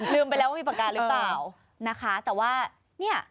ไปแล้วว่ามีปากกาหรือเปล่านะคะแต่ว่าเนี่ย